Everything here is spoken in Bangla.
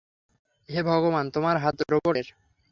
হে ভগবান, তোমার হাত রোবটের।